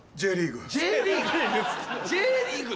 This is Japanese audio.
Ｊリーグ？